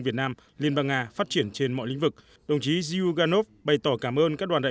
việt nam liên bang nga phát triển trên mọi lĩnh vực đồng chí zhuganov bày tỏ cảm ơn các đoàn đại